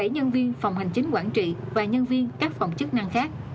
một mươi bảy nhân viên phòng hành chính quản trị và nhân viên các phòng chức năng khác